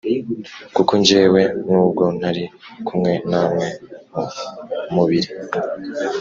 Kuko jyewe, n’ubwo ntari kumwe namwe mu mubiri,